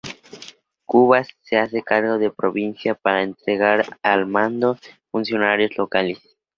Cubas se hace cargo de la provincia para entregar el mando a funcionarios locales.